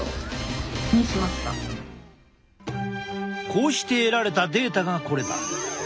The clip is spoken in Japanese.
こうして得られたデータがこれだ。